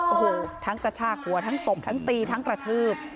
โอ้โหทั้งกระชากหัวทั้งตบทั้งตีทั้งกระทืบ